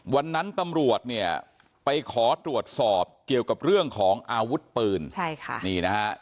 วันนั้นตำรวจเนี่ยไปขอตรวจสอบเกี่ยวกับเรื่องของอาวุธปืนใช่ค่ะนี่นะฮะ